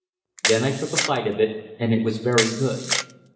Then I took a bite of it and it was very good.